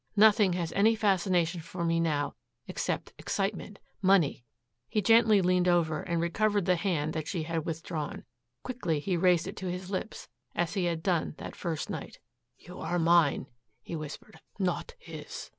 Nothing has any fascination for me now except excitement, money " He gently leaned over and recovered the hand that she had withdrawn. Quickly he raised it to his lips as he had done that first night. "You are mine," he whispered, "not his."